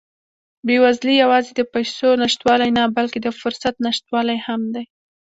بېوزلي یوازې د پیسو نشتوالی نه، بلکې د فرصت نشتوالی هم دی.